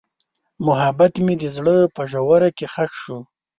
محبت مې د زړه په ژوره کې ښخ شو.